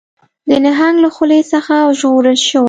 د نهنګ له خولې څخه ژغورل شوي